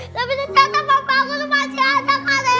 tapi ternyata papa aku tuh masih ada kata ayang